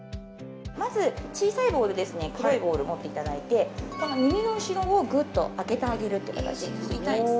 まず小さいボールですね黒いボール持っていただいてこの耳の後ろをグッと開けてあげるって形ちょっと痛いです